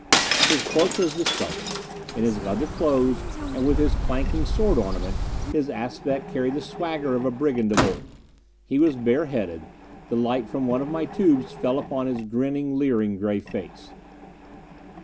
His cloak was discarded. In his leather clothes, and with his clanking sword ornament, his aspect carried the swagger of a brigand of old. He was bareheaded; the light from one of my tubes fell upon his grinning, leering gray face.